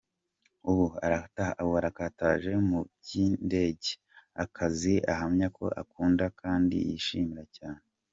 Ubu arakataje mu by’indege, akazi ahamya ko akunda kandi yishimira cyane.